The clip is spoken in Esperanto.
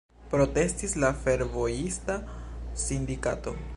Protestis la fervojista sindikato.